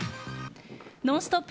「ノンストップ！」